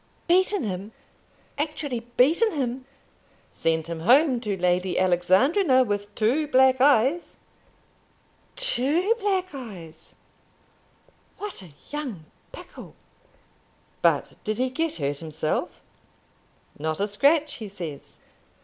"Beaten him! Actually beaten him!" "Sent him home to Lady Alexandrina with two black eyes." "Two black eyes! What a young pickle! But did he get hurt himself?" "Not a scratch, he says."